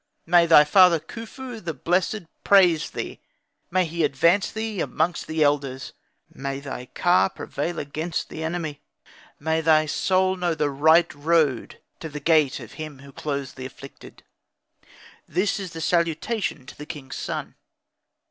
May thy father Khufu, the blessed, praise thee, may he advance thee amongst the elders, may thy ka prevail against the enemy, may thy soul know the right road to the gate of him who clothes the afflicted; this is the salutation to the king's son."